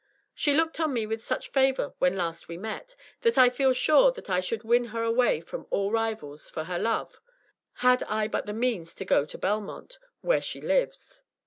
She looked on me with such favor when last we met, that I feel sure that I should win her away from all rivals for her love had I but the means to go to Belmont, where she lives."